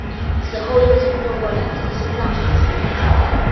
此后又曾做过两次心脏手术。